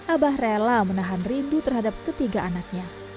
abah rela menahan rindu terhadap ketiga anaknya